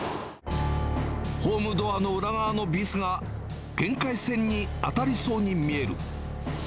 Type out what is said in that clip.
ホームドアの裏側のビスが限界線に当たりそうに見える。